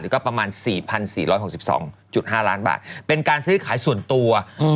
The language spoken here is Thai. หรือก็ประมาณ๔๔๖๒๕ล้านบาทเป็นการซื้อขายส่วนตัว